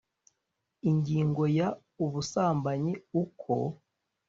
Ingingo ya ubusambanyi uko